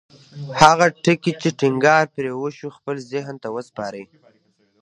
هغه ټکي چې ټينګار پرې وشو خپل ذهن ته وسپارئ.